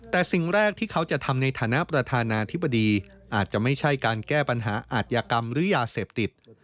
แต่สิ่งแรกที่เขาจะทำในฐานะประธานาธิบดีอาจจะไม่ใช่การแก้ปัญหาอาทยากรรมหรือยาเสพติด